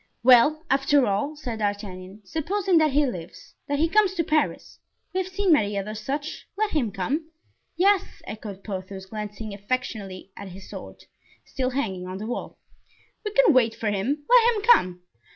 "Well, after all," said D'Artagnan, "supposing that he lives, that he comes to Paris; we have seen many other such. Let him come." "Yes," echoed Porthos, glancing affectionately at his sword, still hanging on the wall; "we can wait for him; let him come."